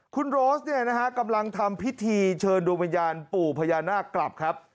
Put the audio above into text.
คุณโรสเนี่ยนะฮะกำลังทำพิธีเชิญดวงวิญญาณปู่พญานาคกลับครับ